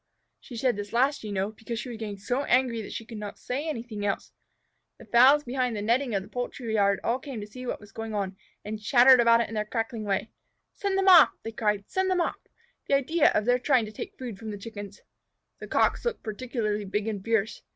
She said this last, you know, because she was getting so angry that she could say nothing else. The fowls behind the netting of the poultry yard all came to see what was going on, and chattered about it in their cackling way. "Send them off!" they cried. "Send them off! The idea of their trying to take food from the Chickens!" The Cocks looked particularly big and fierce.